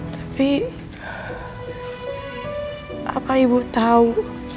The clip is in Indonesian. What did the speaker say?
tapi apa ibu tahu